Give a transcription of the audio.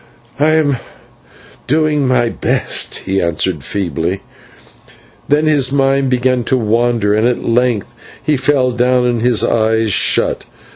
"I am doing my best," he answered feebly; then his mind began to wander, and at length he fell down and his eyes shut.